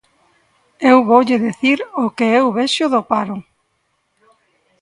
Eu voulle dicir o que eu vexo do paro.